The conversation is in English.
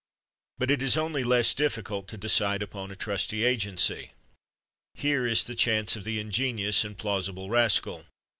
But it is only less difficult to decide upon a trusty agency. Here is the chance of the ingenious and plausible rascal.